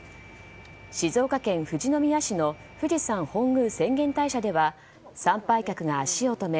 静岡県富士宮市の富士山本宮浅間大社では参拝客が足を止め